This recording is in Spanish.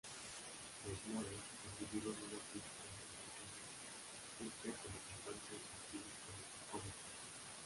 Los Moore consiguieron unas críticas entusiastas, Hester como cantante, y Tim como cómico.